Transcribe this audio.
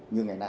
như ngày nay